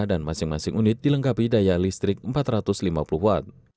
dan masing masing unit dilengkapi daya listrik empat ratus lima puluh watt